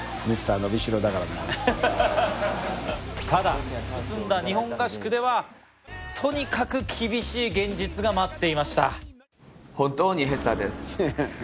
ただ進んだ日本合宿ではとにかく厳しい現実が待っていました。